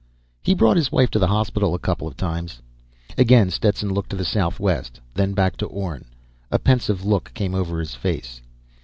"He brought his wife to the hospital a couple of times." Again, Stetson looked to the southwest, then back to Orne. A pensive look came over his face.